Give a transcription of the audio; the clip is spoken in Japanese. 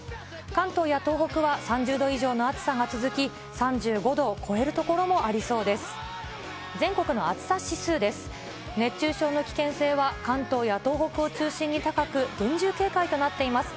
関東や東北は３０度以上の暑さが続き、３５度を超える所もありそうです。